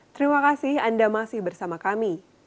terima kasih anda masih bersama kami